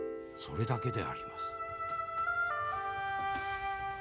それだけであります。